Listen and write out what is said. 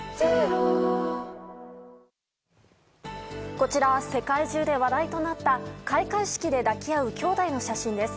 こちらは世界中で話題となった開会式で抱き合う兄弟の写真です。